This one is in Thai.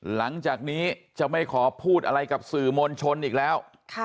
หลังจากนี้จะไม่ขอพูดอะไรกับสื่อมวลชนอีกแล้ว